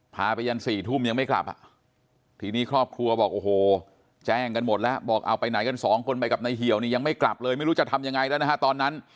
พาไปยัน๔ทุ่มยังไม่กลับอ่ะทีนี้ครอบครัวบอกโอ้โหแจ้งกันหมดแล้วบอกเอาไปไหนกันสองคนไปกับนายเหี่ยวนี่ยังไม่กลับเลยไม่รู้จะทำยังไงแล้วนะฮะตอนนั้น